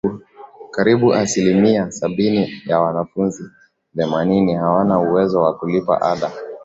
Karibu asilimia sabini ya wanafunzi themanini hawana uwezo wa kulipa ada